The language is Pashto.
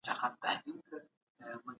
ليکوالان بايد د ټولني د اړتياوو په اړه وليکي.